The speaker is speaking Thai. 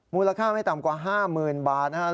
มูลค่าไม่ต่ำกว่า๕๐๐๐บาทนะครับ